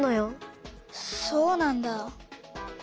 そうなんだ。